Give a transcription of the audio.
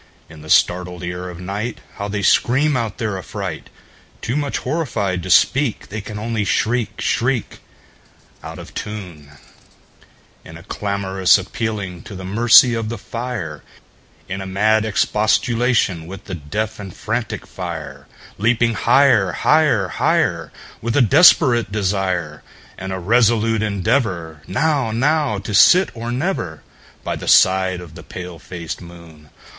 In the startled ear of nightHow they scream out their affright! Too much horrified to speak, They can only shriek, shriek, Out of tune, In a clamorous appealing to the mercy of the fire, In a mad expostulation with the deaf and frantic fire, Leaping higher, higher, higher, With a desperate desire, And a resolute endeavorNow—now to sit or never, By the side of the pale faced moon.